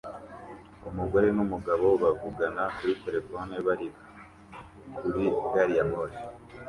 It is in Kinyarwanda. Umugore numugabo bavugana kuri terefone bari kuri gariyamoshi